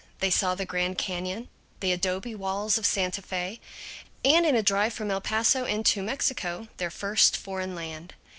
They saw the Grand Canyon, the adobe walls of Sante Fe and, in a drive from El Paso into Mexico, their first foreign land.